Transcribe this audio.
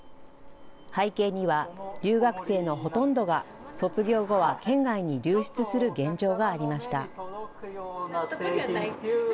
背景には、留学生のほとんどが卒業後は県外に流出する現状がありました。